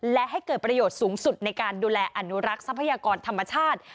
และให้เกิดประโยชน์สูงสุดในการดูแลอนุรักษ์ทรัพยากรธรรมชาติ